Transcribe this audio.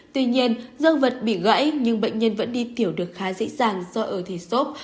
tuy nhiên dương vật bị gãy nhưng bệnh nhân vẫn đi tiểu được khá dễ dàng do ở thể xốp